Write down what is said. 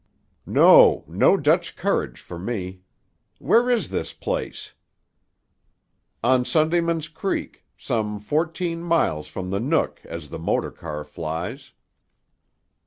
"No, no Dutch courage for me. Where is this place?" "On Sundayman's Creek, some fourteen miles from the Nook as the motor car flies."